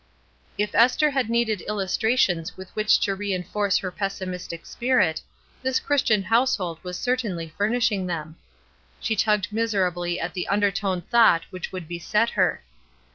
If Esther had needed illustrations with which to reenf oree her pessimistic spirit, this Christian household was certainly furnishing them. She tugged miserably at the undertone thought which would beset her.